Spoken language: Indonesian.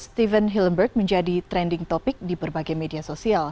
steven helmberg menjadi trending topic di berbagai media sosial